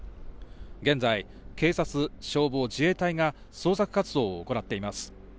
現在、警察、消防、自衛隊が捜索活動を行っています。